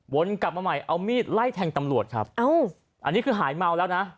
วนกลับมาใหม่เอามีดไล่แทงตำรวจครับเอ้าอันนี้คือหายเมาแล้วนะ